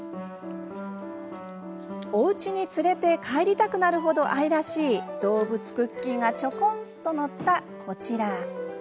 おうちに連れて帰りたくなるほど愛らしい動物クッキーがちょこんとのったこちら。